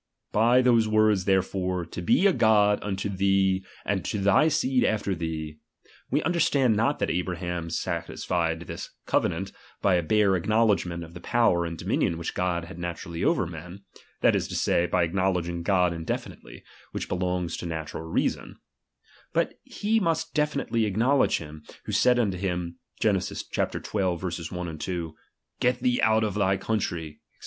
By those words therefore, fo be a God unto thee and to thy seed after thee, we understand not that Abraham satisfied this cove nant by a bare acknowledgment of the power and dominion which God had naturally over men, that is to say, by acknowledging God indefinitely, which belongs to natural reason ; but he must definitely acknowledge hira, who said unto him, (Gen. xii. 1,2): ^et thee out of thy country ; Sfc.